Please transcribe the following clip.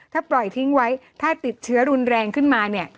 ถ้าปล่อยทิ้งไว้ถ้าติดเชื้อรุนแรงขึ้นมาเนี่ย